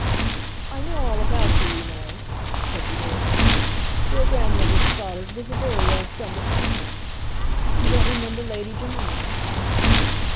"I know all about you, you know," said the earl. "Your grandmother Stoddard was a very old friend of my aunt's. You don't remember Lady Jemima?"